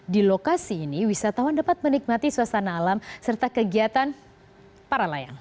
di lokasi ini wisatawan dapat menikmati suasana alam serta kegiatan para layang